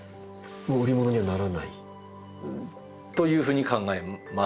もう売り物にはならない？というふうに考えます。